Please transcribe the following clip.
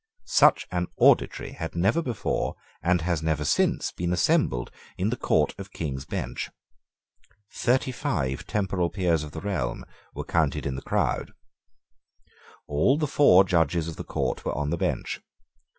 Such an auditory had never before and has never since been assembled in the Court of King's Bench. Thirty five temporal peers of the realm were counted in the crowd. All the four judges of the Court were on the bench.